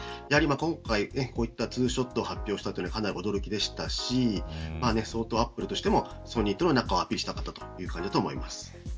今回こうしたツーショットを発表したのはかなり驚きでしたし相当、アップルとしてもソニーとの仲をアピールしたかったのだと思います。